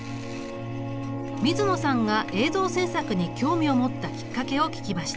ＭＩＺＵＮＯさんが映像制作に興味を持ったきっかけを聞きました。